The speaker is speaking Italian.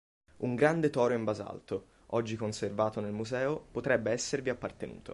Un grande toro in basalto, oggi conservato nel museo, potrebbe esservi appartenuto.